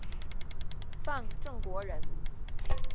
范正国人。